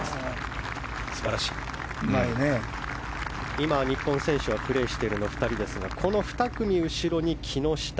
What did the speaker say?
今、日本選手でプレーしているのは２人ですがこの２組後ろに木下。